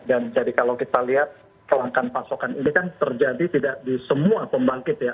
jadi kalau kita lihat kelangkan pasokan ini kan terjadi tidak di semua pembangkit ya